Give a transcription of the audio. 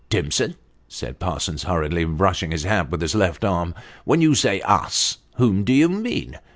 " Timson," said Parsons, hurriedly brushing his hat with his left arm, " when you say ' us,' whom do you mean